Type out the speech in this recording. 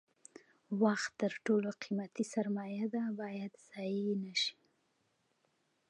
وخت تر ټولو قیمتي سرمایه ده باید ضایع نشي.